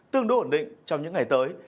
tương đối ổn định trong những ngày tới